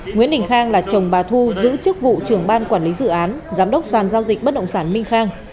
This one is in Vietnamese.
nguyễn đình khang là chồng bà thu giữ chức vụ trưởng ban quản lý dự án giám đốc sàn giao dịch bất động sản minh khang